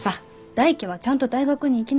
大喜はちゃんと大学に行きなさい。